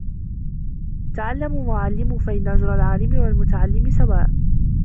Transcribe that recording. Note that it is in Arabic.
تَعَلَّمُوا وَعَلِّمُوا فَإِنَّ أَجْرَ الْعَالِمِ وَالْمُتَعَلِّمِ سَوَاءٌ